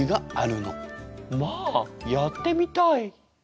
まあやってみたい。